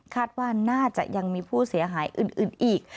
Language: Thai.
ว่าน่าจะยังมีผู้เสียหายอื่นอีก